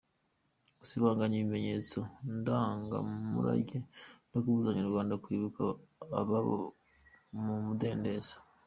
– Gusibanganya ibimenyetso ndangamurage no kubuza abanyarwanda kwibuka ababo mu mudendezo;